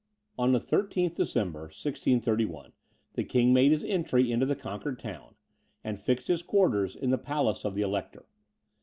On the 13th December, 1631, the king made his entry into the conquered town, and fixed his quarters in the palace of the Elector.